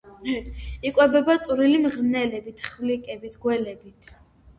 იკვებება წვრილი მღრღნელებით, ხვლიკებით, გველებით.